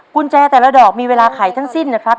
กุญแจแต่ละดอกมีเวลาไขทั้งสิ้นนะครับ